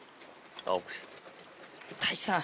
太一さん。